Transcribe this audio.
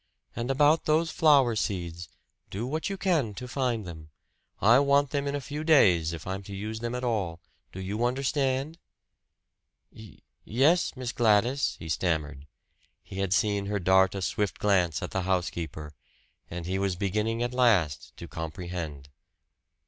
"And about those flower seeds do what you can to find them. I want them in a few days, if I'm to use them at all. Do you understand?" "Y yes, Miss Gladys," he stammered. He had seen her dart a swift glance at the housekeeper, and he was beginning at last to comprehend.